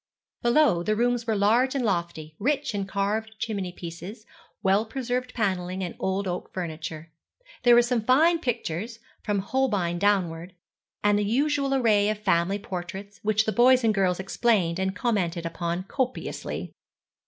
Below, the rooms were large and lofty, rich in carved chimney pieces, well preserved panelling, and old oak furniture. There were some fine pictures, from Holbein downwards, and the usual array of family portraits, which the boys and girls explained and commented upon copiously.